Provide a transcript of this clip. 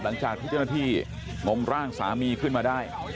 หลังจากที่เจ้าหน้าที่งมร่างสามีขึ้นมาได้